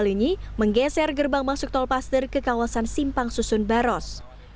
kali ini menggeser gerbang masuk tol paster ke kawasan simpang susun baros